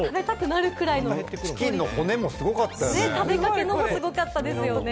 チキンの骨もすごかったですよね。